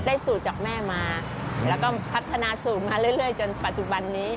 สูตรจากแม่มาแล้วก็พัฒนาสูตรมาเรื่อยจนปัจจุบันนี้